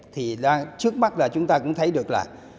thì trước mắt là chúng ta cũng thấy được là